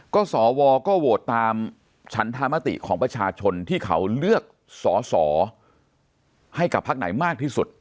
ก็สวก็โหวตตามฉันธรรมติของประชาชนที่เขาเลือกสอสอให้กับพักไหนมากที่สุด